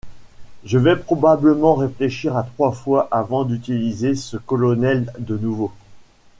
Je vais probablement réfléchir à trois fois avant d'utiliser ce colonel de nouveau.